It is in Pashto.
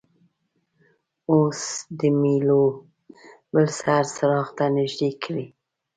اوس د میلو بل سر څراغ ته نژدې کړئ.